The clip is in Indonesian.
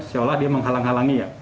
seolah dia menghalang halangi ya